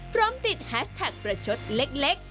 พร้อมติดแฮชแท็กประชดเล็ก